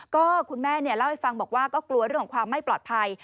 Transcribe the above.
ก็คุณแม่เล่าให้ฟังบอกว่าก็กลัวเรื่องของความไม่ปลอดภัย